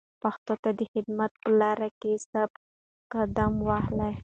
پښتو ته د خدمت په لاره کې ثابت قدم اوسئ.